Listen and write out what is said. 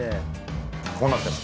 こうなってます。